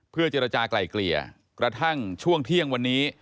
เจรจากลายเกลี่ยกระทั่งช่วงเที่ยงวันนี้